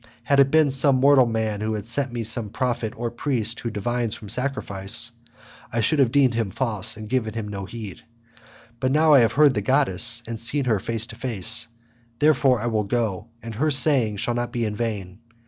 Had it been some mortal man who had sent me some prophet or priest who divines from sacrifice—I should have deemed him false and have given him no heed; but now I have heard the goddess and seen her face to face, therefore I will go and her saying shall not be in vain.